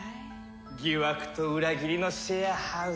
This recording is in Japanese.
疑惑と裏切りのシェアハウス！